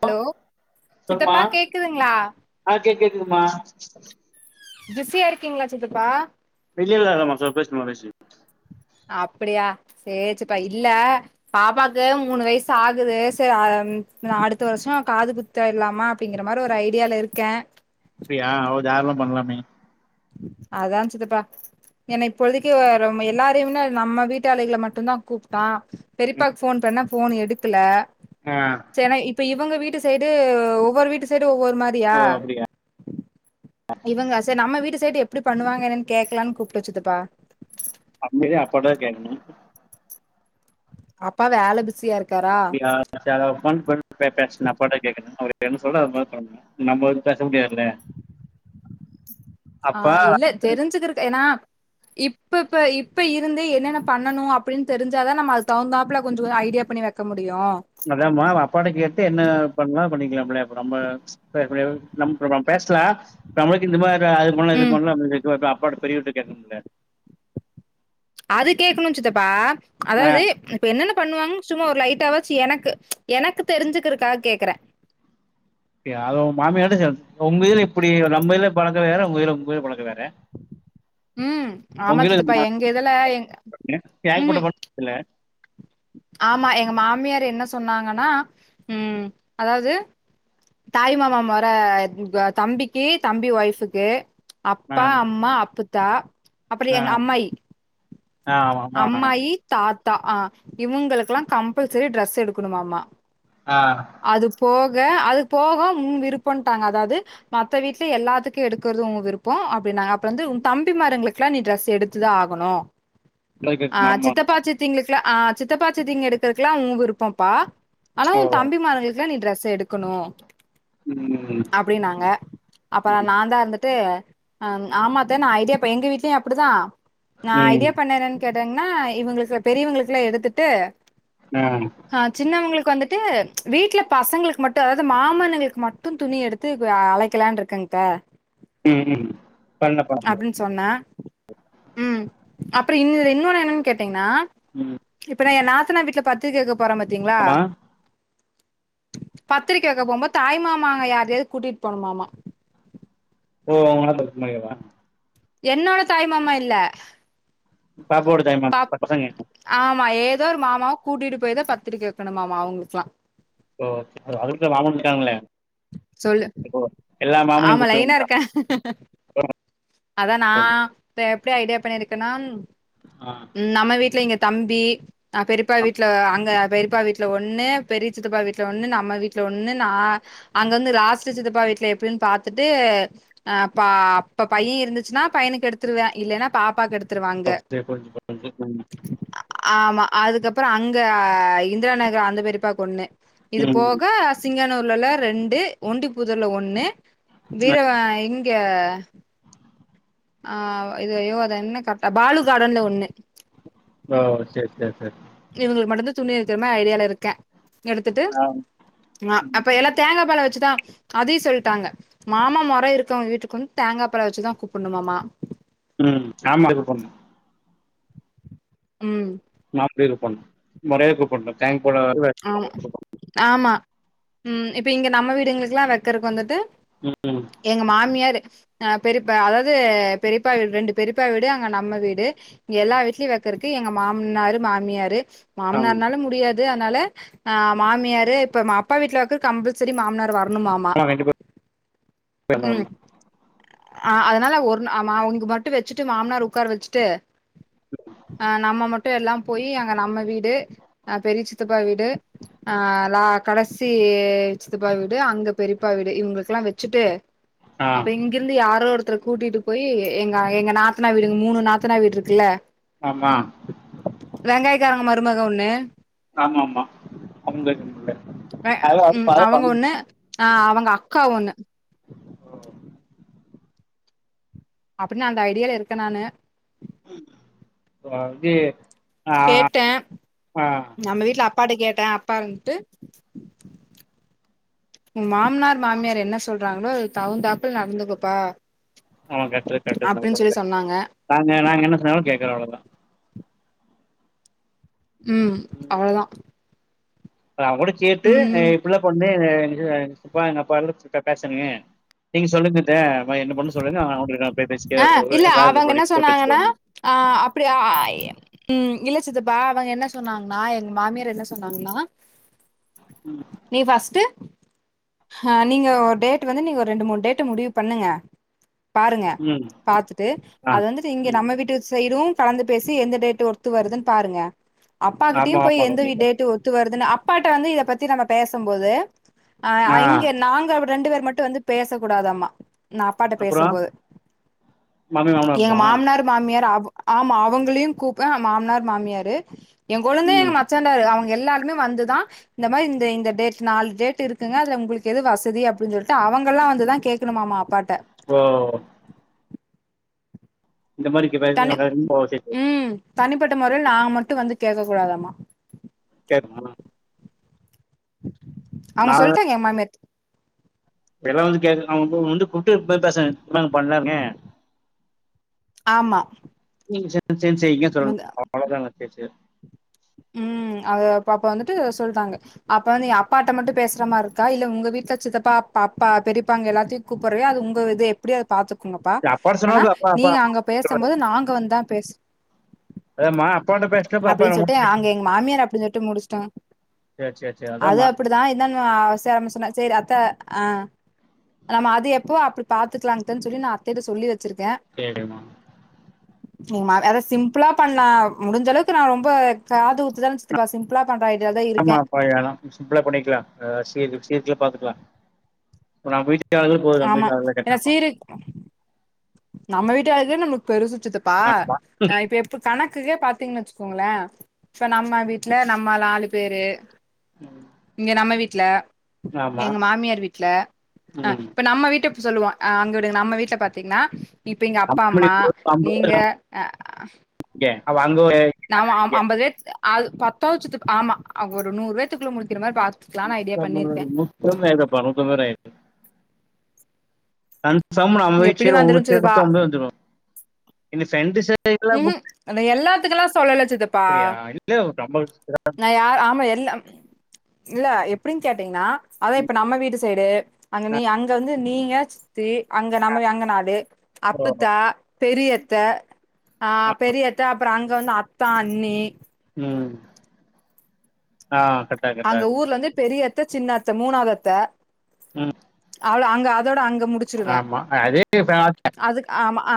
Hello சொல்மா சித்தப்பா கேக்துங்களா ஆ கே கேக்துமா பிசியா இருக்கீங்களா சித்தப்பா வெளில தா இருக்கமா சொல் பேசுமா பேசு அப்பிடியா சேர் சித்தப்பா இல்ல பாப்பாக்கு மூணு வயசு ஆகுது சேர் அடுத்த வருஷோ காது குத் த்திறலாமா அப்டிங்கிறமாறி ஒரு ஐடியால இருக்கே அப்பிடியா ஓ தாரலமா பண்லாமே அதா சித்தப்பா ஏன்னா இப்பொழுதைக்கி எல்லாரைமு தா இல்ல நம்ம வீட்டாளுகள மட்டுதா கூப்ட்டா பெரியப்பாக்கு ஃபோன் பண்ணா ஃபோன் எடுக்கல ஆ சேர்னே இப்ப இவங்க வீட்டு சைடு ஒவ்வொரு வீட்டு சைடு ஒவ்வொரு மாறியா ஓ அப்டியா இவங்க சேரி நம்ம வீட்டு சைடு எப்டி பண்ணுவாங்க என்னன்னு கேக்கலானு கூப்ட சித்தப்பா அப்டிதா அப்பட்டதா கேக்கணு அப்பா வேல பிசியா இருக்காரா [unintelligible] நம்ப வந்து பேச முடியாதுல ஆ இல்ல தெரிஞ்கருக்கு ஏன்னா இப்ப இப்ப இப்ப இருந்து என்னென்ன பண்ணணு அப்டின்னு தெரிஞ்சாதா நம்ம அது தகுந்தாப்புல கொஞ்சோ ஐடியா பண்ணி வை க்க முடியு அதாம்மா அப்பாட கேட்டு என்ன பண்ணலா பண்ணிக்கலாம்ல அப நம்ப [inaudible] நம்மளுக்கு இந்த மாறி அது பண்ல இது ம் பண்ல அப்டினு செல்டு அப்பாட்ட பெரியவர்ட கேட்கனும்ல அது கே்கணு சித்த்தப்பா ஆ அதாவ்து இப்ப என்னென்ன பண்ணுவாங்கனு சும்மா ஒரு லைட்டா வாச்சி எனக்கு எனக்கு தெரிஞ்சுக்கறக்காக கேக்கறே யாரு மாமியா சைடு உங்க இதுல இப்டி நம்ம இதுல பழக்க வேற உங்க இதுல உங்க இதுல பழக்க வேற ம் [inaudible] ஆமா சித்தப்பா எங்க இதுல எங் ம் இல்ல ஆமா எங்க மாமியார் என்ன சொன்னாங்கனா ம் அதாவ்து தாய் மாமா மொர [unintelligible] தம்பிக்கி தம்பி ஒய்ஃபுக்கு ஆ அப்பா அம்மா அப்புதா அப்றோ ஆ எங்க அம்மாயி ஆ ஆமா ஆமா அம்மாயி தா த்தா ஆ இவுங்களுக்கெலா கம்பல்சரி ட்ரெஸ் எடுக்கணுமாமா ஆ அது போக அது போக முன் விருப்பன்ட்டாங்க அதாவ்து மத்த வீட்டுல எல்லாத்துக்கு எடுக்கறது உங்க விருப்போ அப்டினாங்க அப்றோ வந்து உன் தம்பி மாருங்களுக்குலா நீ ட்ரெஸ் எடுத் துதா ஆகணு அழகர் ஆ மாமா சித்தப்பா சித்திங்களுக்லா ஆ சித்தப்பா சித்திங் எடுக்கறகெலா உங்க விருப்போப்பா ஆனா ஓ உன் தம்பி மாறுங்களுக்கெலா நீ டிரெஸ்ஸு எடுக்கணு ம் ம் ம் அப்டின்னாங்க அப்றோ நா தா இருந்துட்டு அ ஆமா அத்த நா ஐடியாப் எங்க வீட்லயு அப்டிதா நா ம் ஐடியா பண்ணே என்னனு கேட்டேங்கனா இவுங்களுக்குல பெரியவங்ளுக்கெலா எடுத்துட்டு ம் ஆ சின்னவங்களுக்கு வந்துட் டு வீட்டுல பசங்களுக்கு மட்டு அதாவ்து மாமன்னங்களுக்கு மட்டு துணி எடுத்து [inaudible] அழைக்கலான்ட்டு இருக்கங் அத்த ம் ம் பண்லப்பா [inaudible] சொன்ன ம் அப்றோ இன்ன இன்னொன்னு என்னன்னு கேட்டீங்கன்ன ம் இப்ப நா என் நாத்தனா வீட்ல பத்திரிக்க வைக்க போறே பாத்தீங்களா ஆமா பத்திரிக்கை வைக்க போபோது தாய் மாமாங்க யாரையாவது கூட்டிட்டு போனுமாமா ஓ அவுங்க [inaudible] என்னோட தாய்மாமா இல்ல பாப்போட தாய்மாமா பாப் பச பசங்க ஆமா ஏதோ ஒரு மாமாவ கூட்டிட்டு போய் தா பத்திரிக்கை வைக்கணுமாமா அவுங்களுக்யெல்லா ஒ அவ அவளுக்கு தா மாமனுங் இருக்காங்களே சொல்லு ஓ எல்லா மாமனையும் ஆமா லைனா கூப்பிட்டு இருக்கே அதா நா இப்ப எப்டி ஐடியா பண்ணிருக்கனா அ நம்ம வீட்ல இங்க தம்பி அ பெரியப்பா ஆ வீட்டுல அங்க பெரியப்பா வீட் ல ஒண்ணு பெரிய சித்தப்பா வீட்ல ஒண்ணு நம்ம வீட்ல ஒண்ணு நா அங்க வந்து லாஸ்ட்சித்தப்பா வீட்ல எப்டின் பாத்துட்டு அ பா அப்ப பையன் இருந்துச்சுன்னா பையனுக்கு எடுத்துடுவே இல்லைன்னா பாப்பாக்கு எடுத் துருவா அங்க ஓ சரி புரிஞ்சு புரிஞ்சு ம் ஆமா அதுக்கப்புற அங்க இந்திரா நகர் அந்த பெரிப்பாக்கு ஒண்ணு இது ம் போக சிங்கனூர்ல ரெண்டு ஒண்டிப்புதுர்ல ஒன்னு ம். வீரவ இங்க அ இது ஐயோ அதா என்ன கரெடா பாலு காடன்ல ஒண்ணு ஓ சேரி சேரி சேரி இவங்களுக்கு மட்டுந்து துணி எடுக்கிற மாரி ஐடியால இருக்க எடுத்துட்டு ஆ அப்ப ம் எல்லாத்த தேங்காபழ வச்சுதா அதையு சொல்ட்டாங்க மாமா மொர இருக்கவங்க வீட்டுக்கு வந்து தேங்காபழ வச்சுதா கூப்டணுமாமா ம் ஆமா இப்படி கூப்பனு ம் நாடி இருபம் மொறையா கூப்டனு தேங்க் போட வருவா ஆமா ஆமா ம் இப்ப இங்க நம்ம வீடுங்களுக்கெல்லா வைக்கறக்கு வந்துட்டு ம் எங்க மாமியாரு அ பெரிப்பா அதாவது பெரிப்பா வீடு ரெண்டு பெரிப்பா வீடு அங்க நம்ம வீடு எல்லா வீட்லயு வைக்கறக்கு எங்க மாம்னாரு மாமியாரு ஆ மாமனார்னாலு முடியாது அதனால அ மாமியாரு இப்ப அப்பா வீட்ல கம்பல்சரி மாமனார் வர பண்ணுமாமா ஆ கண்டிப்பா ம் ஆ அதனால ஒரு அவங்க மட்டு வச்சுட்டு மாமனார உட்கார வச்சுட்டு அ நம்ம மட்டு எல்லா போய் அங்க நம்ம வீடு அ பெரிய சித்தப்பா வீடு அ லா கடசி சித்தப்பா வீடு அங்க பெரியப்பா வீடு இவங்கக்கெல்லா வச்சுட்டு ஆ அப்ப எங் இருந்து யாரோ ஒருத்தர கூட்டிட்டு போய் எங்க எங்க நாத்தனா வீடுங்க மூணு நாத்தனா வீடு இருக்குல்ல ஆமா வெங்காயக்காரங்க மருமக ஒன்னு ஆமா ஆமா அவங்க வெ ம் அவங்க ஒண்ணு [unintelligible] ஆ அவங்க அக்கா ஒண்ணு அப்படின் அந்த ஐடியால இருக்க நானு [unintelligible] போது கேட்ட நம்ம வீட்ல அப்பாகிட்ட கேட்ட அப்பா இருந்துட்டு [inaudible] உ மாமனார் மாமியார் என்ன சொல்றாங்களோ அதுக்கு தகுந்தாப்ள நடந்துகப்பா ம் கரெக்ட் கரெக்ட் சொன்னாங்க நாங்க நாங்க என்ன சொன்னாலு கேக்குற அவ்ளோதா ம் அவ்வளதா இப்ப அவங்கூட சேத்து ம் புள்ள பொண்ணு இது அப்பா எங்க அப்பா கூட பேசுறங்க நீங்க சொல்லுங்கத்த என்ன பண்ணணு சொல்லுங்க உங்களுக்காக நா பேச ஆ இல்ல அவங்க என்ன சொன்னாங்கன்னா அ அப்டியா ம் இல்ல சித்தப்பா அவங்க என்ன சொன்னாங்னா எங்க மாமியார் என்ன சொன்னாங்ளா ம் நீ ஃபஸ்ட் ஹ நீங்க ஒரு டேட் வந்து நீங்க ஒரு ரெண்டு மூணு டேட்டு முடிவு பண்ணுங்க பாருங்க ம் பார்த்துட்டு ஆ அது வந்துட்டு இங்க ம் நம்ம வீட்டு சைடு கலந்து பேசி எந்த டேட் ஒத்து வருதுன் பாருங்க அப்பா கிட்டயு ஆமா போய் ஆமா எந்த வீ கண்டிப்பா டேட் ஒத்து வருதுன் அப் அப்பாட்ட வந்து இத பத்தி நம்ம பேசும்போது அ ஆ இங்க நாங்க ரெண்டு பேர் மட்டு வந்து பேச கூடாதாமா நா அப்பாட்ட அப்றோ பேசும் போது மாமியா எங்க மா மாமனார் மாமியார் அவ ஆமா அவங்களையு கூப் அ மாமனார் மாமியாரு எங் கொழுந்த எங்க ம் மச்சண்டாரு அவங்க எல்லாருமே வந்துதா இந்த மாதி இந்த இந்த டேட் நாலு டேட் இருக்குங்க அதுல உங்களுக்கு எது வசதி அப்டின் சொல்லிட்டு அவங்கெல்லா வந்துதா கேக் கணுமாமா அப்பாட்ட ஓ இந்த மாறி தனி பேசுறவங்ககிட்ட ரொம்ப மிஸ்டேக் வரு ம் தனிப்பட்ட மொறைல நாங்க மட்டு வந்து கேக்க கூடாதாம்மா கேப்பமாவு அவுங்க நா சொல்லிட்டாங்க ஏ மாமியார்ட் இப்டி எல்லா வந்து கேக்குறதுக்கு அவுங்க வந்து கூப்ட்டே போய் பேச எல்லாம் பண்ணலாமே ஆமா நீங்க சேந்து சேந்து செய்யுங்கன்னு வந்து சொல்லணு அவ்ளோதாங்க சேர் சேரி ம் அத அப்ப அப்ப வந்துட்டு சொல்ட்டாங்க அப்ப வந்து ஏ அப்பாட்ட மட்டு பேசுற மாரி இருக்கா இல்ல உங்க வீட்ல சித்தப்பா அப்பா பெரியப்பாங்க எல்லாத்தையு கூப்புர்றயோ அது உங்க இது அப்டியாது பாத்துக்கோங்கப்பா அப்பாட்ட சொன்னா ஆனா அப்பா அப்பா நீங்க அங்க கூப்டுவாரு பேசம்போது நாங்க வந்துதா பேச ஏம்மா அப்பாட்ட பேசிட்டா அப்ப அப்பா அப்டின்னு என்ன பண்ணு சொல்ட்டு அங்க எங்க மாமியார் அப்டினு சொல்ட்டு முடிச்ட்டோங்க சேர் சேர் சேர் அது அதாம்மா அப்டி அப்டிதா இதான்னுவா சேர் அப்டி சொன்ன சேரி அத்த ஆ நம்ம அது எப்பவோ அப்டி பாத்துக்கலாங்கத்தன்னு சொல்லி நா அத்தேட்ட சொல்லி வச்சிருக்கே டே டே மா எங்க மா அத சிம்பிளா பண்ணலா முடிஞ்ச அளவுக்கு நா ரொம்ப காது குத்துதான சித் தப்பா சிம்பிளா பண்ற ஐடியால தா ஆமா இருக்கே அப்பா எல்லா சிம்பிளா பண்ணிக்கலா ஆ சீர் சீர்க்கெல்லா பாத்துக்கலா இப்ப நா போய் நிக்காதவங்களுக்கு போய் நா ஆமா போயிட்டு வாரவா ஏன்னா கேட்டேப்பா சீரு நம்ம வீட்டு ஆளுகளே நம்மளுக்கு பெருசு சித்தப்பா ஆமா ஆ இப்ப எப்ப கணக்குக்கே பாத்தீங்கன்னு வச்சுக்கோங்களே இப்ப நம்ம வீட்ல நம்ம நாலு பேரு இங்க நம்ம வீட்ல ஆமா எங்க மாமியார் வீட்ல ஆ ம் இப்ப நம்ம வீட்டு சொல்லுவோ ஆ அங்க விடுங்க நம்ம வீ்ட்ல பாத்தீங்கன்னா இப்ப இங்க அவ அப்பா அம்மா நீங்க ஆ இங்க அப்ப அங்க போய் நாம அம் அம்பது பேத்து அது பத்தாது சித்தப் ஆமா ஒரு நூறு பேத்துக்குள்ள முடிக்கிற மாரி பாத் [unintelligible] நூத்தி அம்பது பேர் ஆயிட்டு கண் பேசாம நம்ம வீட்டு எப்டி சைடு உங்க வந்துரு வீட்டு சைடு சித்தப்பா மட்டு வந்து வச்சுருவோ இந்த ரெண்டு சைடு ம் ஹும் அட எல்லாத்துக்கெல்லா சொல்லல சித்தப்பா அப்படியா இல்ல ரொம்ப நா யார் ஆமா எல்லா இல்ல எப்டின்னு கேட்டீங்கன்னா அதா இப்ப நம்ம வீட்டு சைடு அங்க நீ அங்க வந்து நீங்க சித் தி அங்க நம்ம எங்க நாலு அப்புத்தா பெரியத்த ஆ பெரியத்த அப்பறோ அங்க வந்து அத்தா அண்ணி ம் ஆ கரெக்டா கரெக்டா அங்க இருக்கு ஊர்ல இருந்து பெரியத்த சின்னத்த மூணாவது அத்த ம் அவள அங்க அதோட அங்க முடிச்சிருவே ஆமா அதே இப்ப அதுக்கு ஆமா அ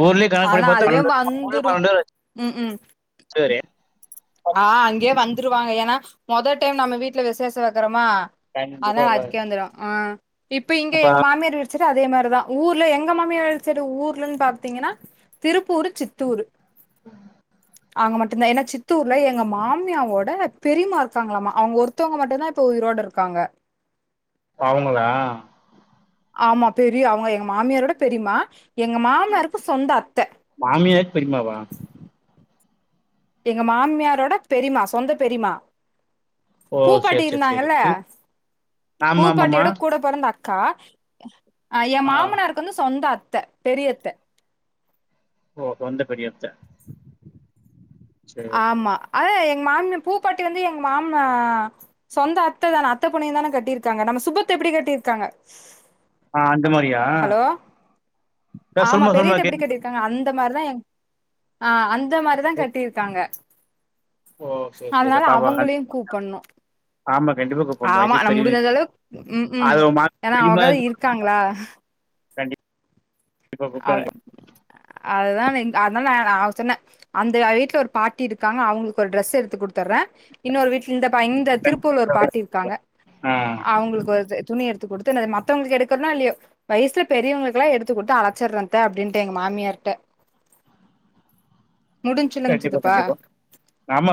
ஊர்லயே கணக்கு பண்ணி ஆனா பார்த்தா அதுவே பன்னெண்டு வந்துரு ம் ம் சேரி ஆ அங்கயே வந்துருவாங்க ஏன்னா மொத டைம் நம்ம வீட்ல விசேஷோ வைக்கறோமா கண்டிப்பா அதுனால இருப்பாரு அதுக்கே வந்துரு ஆ இப்ப இங்க அப்ப எங்க மாமியார் வீடு செரி அதே மாரிதா ஊர்ல எங்க மாமியார் செரி ஊர்லன் பாத்தீங்கனா திருப்பூரு சித்தூரு ம் ஆங்க மட்டுந்தா எனா சித் த்தூர்ல எங்க மாமியாவோட பெரியம்மா இருக்காங்களாமா அவுங்க ஒருத்தவுங்க மட்டுந்தா இப்ப உயிரோட இருக்காங்க அவுங்களா ஆமா பெரிய அவுங்க எங்க மாமியாரோட பெரியுமா எங்க மாமியாருக்கு சொந்த அத்த மாமியாக் பெரிமாவா எங்க மாமியாரோடப் பெரிமா சொந்த பெரிமா ஓ சரி பூப்பாட்டி சரி சரி இருந்தாங்கல்ல திரு- ஆமா ஆமாம்மா பூப்பாட்டியோடக் கூடப் பொறந்த அக்கா அ எ ஆ மாமனாருக்கு வந்து சொந்த அத்த பெரிய அத்த ஓ ஒந்த பெரிய அத்த ஆமா அதா எங் மாமியா பூப்பாட்டி வந்து எங்க மாமா சொந்த அத்த தானே அத்த பொண்ணையே தானே கட்டிருக்காங்க நம்ம சுப்பு அத்த எப்டி கட்டிர்காங்க ஆ அந்த மாரியா ஹலோ ஆமா பெரிய சொல்லுமா அத்த எப்டி கேட்கு கட்டிர் காங்க அந்த மாரிதா எங் ஆ அந்த மாரிதா ஓ கட்டிருக்காங்க ஓ, சரி அதனால சரி பாப்பா அவங்களையு கூப்பன்னு ஆமா கண்டிப்பா கூப்பிடணும் ஆமா வயசுக்கு நம் பெரியவங்க முடிஞ்சதளவுக் ம் ம் அது உன் மா- எனா அவுங்கதா இருக்காங்ளா கண்டிப் அத அததா நீங் அதனால் நா நா சொன்னே அந்தயே அவி வீட்ல ஒரு பாட்டி இருக்காங்க அவுங்ளுக்கு ஒரு டிரெஸ் எடுத்து குடுத்தர்றே இன்னொரு வீட்ல இந்த பா இந்த திருப்பூர்ல ஒரு பாட்டி இருக்காங்க ஆ அவுங்குளுக்கு வருதே துணி எடுத்து குடுத்துனேத மத்தவுங்ளுக்கு எடுக்கறனோ இல்லியோ வயச்ல பெரியவங்ளுக்லா எடுத்து குடுத்து அழக் ச்சர்றே அத்த அப்டின்ட்டு எங்க மாமியார்ட்ட முடிஞ்சுலங்க கண்டிப்பா சித்தப்பா கண்டிப்பா ஆமா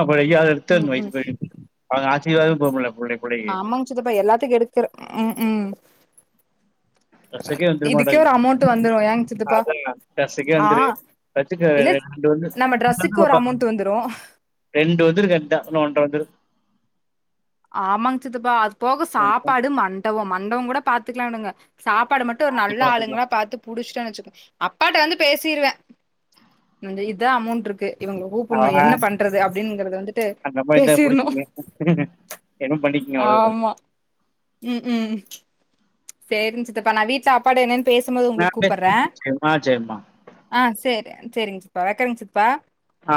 ம் ம் [unintelligible] சித்தாப்பா எல்லாத்துக்கு எடுக்கறே ம் ம் கசக்கே வந்துருமாட்டங் இதுக்கே ஒரு அமௌண்ட் வந்துரு ஏங்க சித்தப்பா கசக்கே ஆ வந்துரு வச்சுக்கே ரெ இல்ல ரெண்டு வந்து நம்ம ட்ரெஸ்ஸுக்கு ஒரு அமௌண்ட் [unintelligible] வந்துரு ரெண்டு வந்துரு கர்ட்டா இன்னு ஒன்ற வந்துரு ஆமாங் சித்தப்பா அதுப் போக சாப்பாடு மண்டபோ மண்டபோங் கூட பாத்துக்லா விடுங்க சாப்பாடு மட் ட்டு ஒரு அப்படி நல்ல பாத்துக்கலாம் ஆளுங்ளா பாத்து புடிச்ட்டன் வச்சுக்க அப்பாட்ட வந்துப் பேசிருவே வந்து இதா அமௌண்ட்ருக்கு இவுங்க கூப்புன்னு என்ன பண்றது அப்டின்கிறத வந்துட்டு நம்ப இந்த பேசிர்ணு புடிச்சுகிங்க என்னமோ பண்ட்டிக்கங்க அவ்ளதா [unintelligible] ஆமா ம் ம் சேரிங் சித்தப்பா நா வீட்ல அப்பாட்டா என்னன் பேசும் போது உங்ளுக் நான் கூப்பர்றே பேசுறேன். சரிம்மா சரிம்மா ஆ சேரி சேரிங்க சித்தப்பா வெக்கறங் சித்தப்பா ஆ